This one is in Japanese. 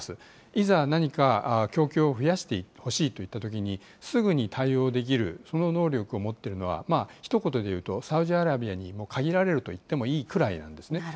いざ何か供給を増やしてほしいといったときに、すぐに対応できる、その能力を持っているのは、ひと言で言うと、サウジアラビアに限られるといってもいいくらいなんですね。